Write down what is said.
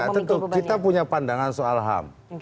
tentu kita punya pandangan soal ham